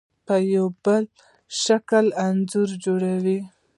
په یو بل شکل انځور جوړوي.